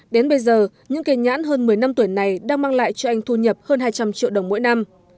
đến bây giờ những cây nhãn hơn một mươi năm tuổi này đang mang lại cho anh thu nhập hơn hai trăm linh triệu đồng mỗi năm